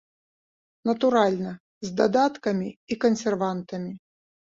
Натуральна, з дадаткамі і кансервантамі.